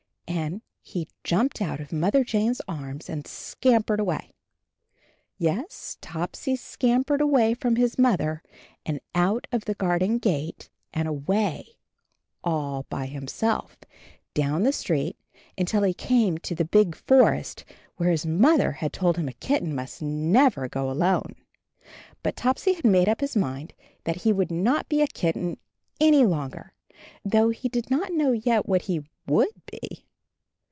and he jumped out of Mother Jane's arms and scampered away. Yes, Topsy scampered away from his mother, and out of the garden gate, and away, all by himself, down the street, until he came to the big forest where his mother had told him a kitten must never go alone. But Topsy had made up his mind that he would not be a kitten any longer, though he did not know yet what he would be.